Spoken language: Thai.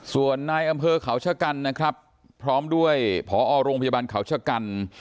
ส่วนนายอำเภอเขาชะกันนะครับพร้อมด้วยผอโรงพยาบาลเขาชะกัน